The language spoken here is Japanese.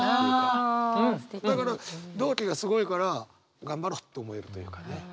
だから同期がすごいから頑張ろうって思えるというかね。